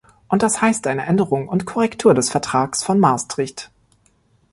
Und das heißt eine Änderung und Korrektur des Vertrags von Maastricht.